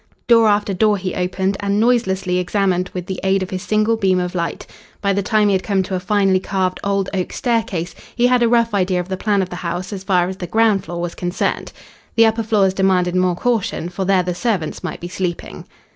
Door after door he opened and noiselessly examined with the aid of his single beam of light. By the time he had come to a finely carved, old oak staircase, he had a rough idea of the plan of the house as far as the ground floor was concerned. The upper floors demanded more caution, for there the servants might be sleeping.